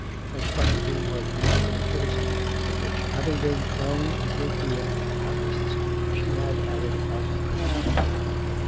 Her specialty was musical criticism, to which, having been thrown a good deal with artists, she had added art criticism.